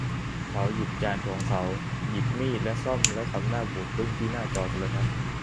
เขาหยิบจานของเขาหยิบมีดและส้อมแล้วทำหน้าบูดบึ้งที่หน้าจอโทรทัศน์